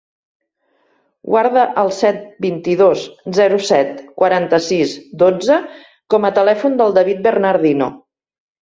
Guarda el set, vint-i-dos, zero, set, quaranta-sis, dotze com a telèfon del David Bernardino.